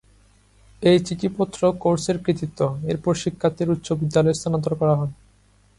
এই চিঠিপত্র কোর্সের কৃতিত্ব এরপর শিক্ষার্থীর উচ্চ বিদ্যালয়ে স্থানান্তর করা হয়।